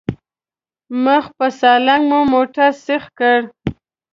مخ په سالنګ مو موټر سيخ کړ.